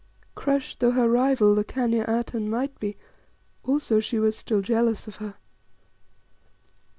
Crushed though her rival the Khania Atene might be, also she was still jealous of her.